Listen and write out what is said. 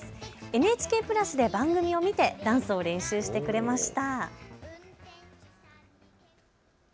ＮＨＫプラスで番組を見てダンスを練習してくれました。